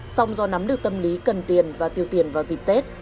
song do nắm được tâm lý cần tiền và tiêu tiền vào dịp tết